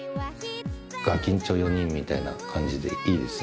ガキんちょ４人みたいな感じでいいですね。